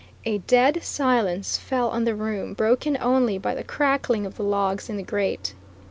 A dead silence fell on the room, broken only by the crackling of the logs in the grate.